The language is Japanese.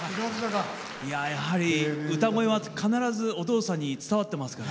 やはり歌声はお父さんに伝わってますから。